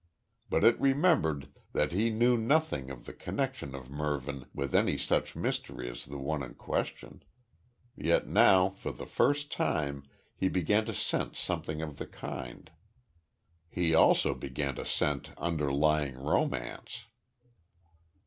Be it remembered that he knew nothing of the connexion of Mervyn with any such mystery as the one in question, yet now for the first time he began to scent something of the kind. He also began to scent underlying romance.